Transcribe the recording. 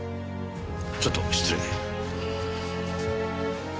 ちょっと失礼。